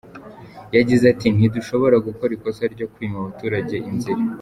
Yagize ati“Ntidushobora gukora ikosa ryo kwima abaturage inzira.